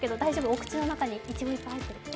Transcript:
お口の中にいちごいっぱい入ってる。